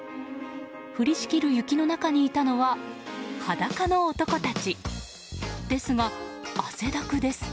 降りしきる雪の中にいたのは裸の男たちですが、汗だくです。